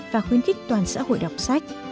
và khuyến khích toàn xã hội đọc sách